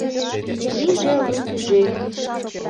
Лийже лу тӱжем!..